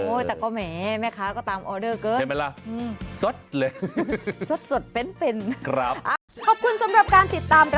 โอ้ยแต่ก็แหมแม่คะก็ตามออเดอร์เกิน